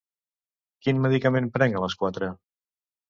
Quin medicament prenc a les quatre?